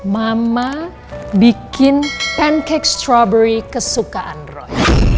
mama bikin pancake strovery kesukaan roy